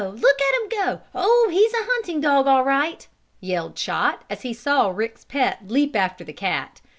Look at him go! Oh, he's a hunting dog all right!" yelled Chot, as he saw Rick's pet leap after the cat.